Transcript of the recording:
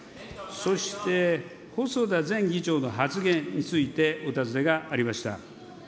そして、細田前議長の発言についてお尋ねがありました。